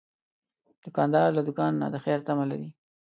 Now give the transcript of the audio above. دوکاندار له دوکان نه د خیر تمه لري.